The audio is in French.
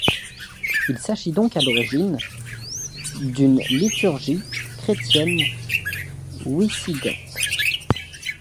Il s'agit donc à l'origine d'une liturgie chrétienne wisigothe.